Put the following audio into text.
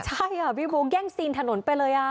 ใช่อ่ะพี่บุ๊คแกล้งซีนถนนไปเลยอ่ะ